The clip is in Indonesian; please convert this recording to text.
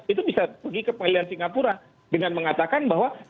itu bisa pergi ke pengadilan singapura dengan mengatakan bahwa